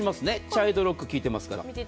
チャイルドロック効いてますから。